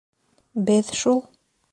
— Беҙ шул.